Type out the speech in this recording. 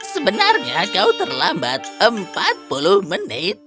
sebenarnya kau terlambat empat puluh menit